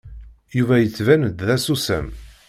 Yuba yettbin-d d asusam.